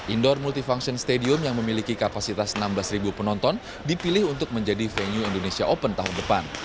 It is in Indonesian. indoor multifunction stadium yang memiliki kapasitas enam belas penonton dipilih untuk menjadi venue indonesia open tahun depan